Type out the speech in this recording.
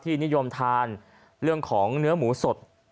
นิยมทานเรื่องของเนื้อหมูสด